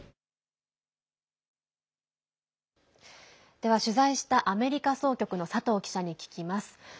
では取材したアメリカ総局の佐藤記者に聞きます。